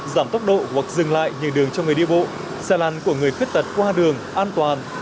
giảm tốc độ hoặc dừng lại nhường đường cho người đi bộ xe lăn của người khuyết tật qua đường an toàn